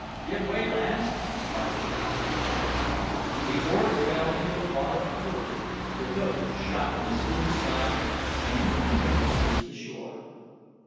"Give way, lads!" cried the captain. The oars fell into the water at the word, the boat shot from the schooner's side, and in a few minutes reached the shore.